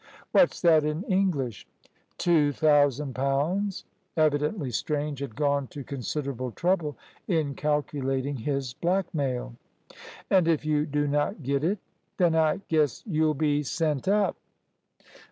"What's that in English?" "Two thousand pounds." Evidently Strange had gone to considerable trouble in calculating his blackmail. "And if you do not get it?" "Then I guess you'll be sent up."